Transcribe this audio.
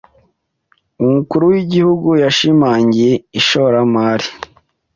Umukuru w’igihugu yashimangiye ishoramari